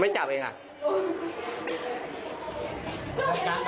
ไม่จับเองน่ะ